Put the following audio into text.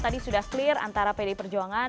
tadi sudah clear antara pdi perjuangan